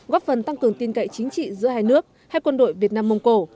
góp phần tăng cường tin cậy chính trị giữa hai nước hai quân đội việt nam mông cổ